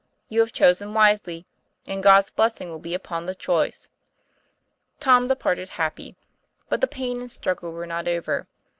You have chosen wisely, and God's blessing will be upon the choice." Tom departed happy. But the pain and struggle were not over.